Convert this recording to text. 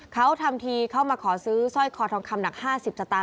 เขาทำทีเข้ามาขอซื้อสร้อยคอทองคำหนัก๕๐สตางค